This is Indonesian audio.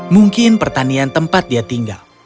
mungkin pertanian tempat dia tinggal